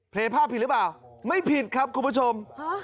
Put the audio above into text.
ภาพผิดหรือเปล่าไม่ผิดครับคุณผู้ชม